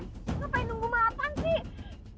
ngapain nunggu mapan sih